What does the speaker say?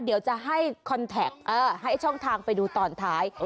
เดี๋ยวจะให้ช่องทางไปดูตอนท้าย